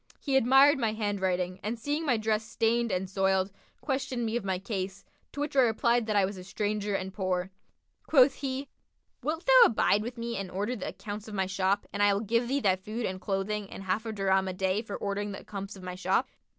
He admired my handwriting and seeing my dress stained and soiled, questioned me of my case, to which I replied that I was a stranger and poor. Quoth he, 'Wilt thou abide with me and order the accounts of my shop and I will give thee thy food and clothing and half a dirham a day for ordering the accompts of my shop?'